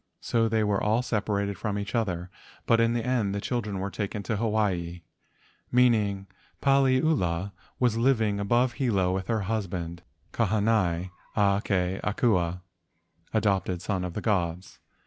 So they were all separated from each other, but in the end the children were taken to Hawaii. Meanwhile Paliula was living above Hilo with her husband Kahanai a ke Akua (adopted son of the gods).